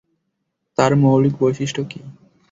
তার মৌলিক বৈশিষ্ট্য কি?